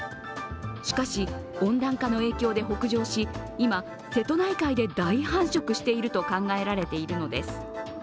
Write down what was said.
しかし、温暖化の影響で北上し、今、瀬戸内海で大繁殖していると考えられているのです。